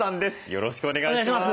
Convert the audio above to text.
よろしくお願いします。